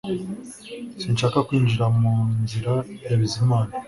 Sinshaka kwinjira mu nzira ya Bizimana